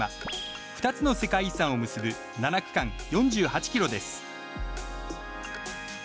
２つの世界遺産を結ぶ７区間、４８ｋｍです。